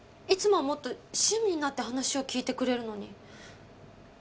いつももっと親身になって話を聞いてくれるのに。